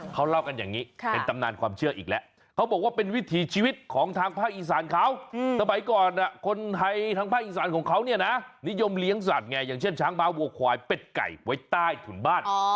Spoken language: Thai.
เขาเล่ากันอย่างนี้เป็นตำนานความเชื่ออีกแล้วเขาบอกว่าเป็นวิถีชีวิตของทางภาคอีสานเขาสมัยก่อนคนไทยทางภาคอีสานของเขาเนี่ยนะนิยมเลี้ยงสัตว์ไงอย่างเช่นช้างม้าวัวควายเป็ดไก่ไว้ใต้ถุนบ้าน